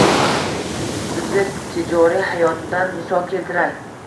Sizga tijoriy hayotdan misol keltiray